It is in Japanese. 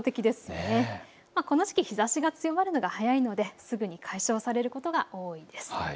この時期、日ざしが強まるのが早いのですぐに解消されることが多いです。